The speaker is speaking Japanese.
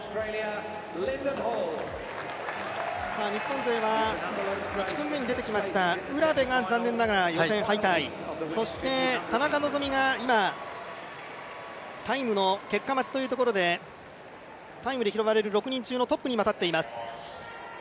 日本勢は、１組目に出てきました卜部が残念ながら予選敗退、そして田中希実が今、タイムの結果待ちというところでタイムで拾われる６人中のトップに今、立っています。